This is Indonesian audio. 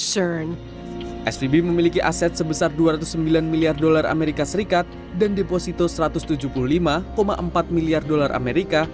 svb memiliki aset sebesar dua ratus sembilan miliar dolar amerika serikat dan deposito satu ratus tujuh puluh lima empat miliar dolar amerika